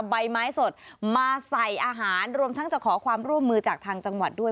ใบไม้สดมาใส่อาหารรวมทั้งจะขอความร่วมมือจากทางจังหวัดด้วย